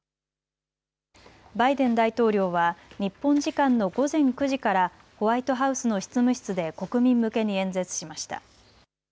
バイデン大統領は日本時間の午前９時からホワイトハウスの執務室で国民向けに演説しました。